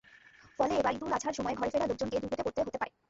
ফলে এবার ঈদুল আজহার সময় ঘরে ফেরা লোকজনকে দুর্ভোগে পড়তে হতে পারে।